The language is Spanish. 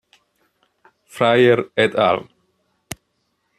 Fryer et al.